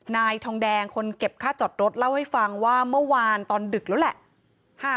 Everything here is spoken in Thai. นายทองแดงคนเก็บค่าจอดรถเล่าให้ฟังว่าเมื่อวานตอนดึกแล้วแหละ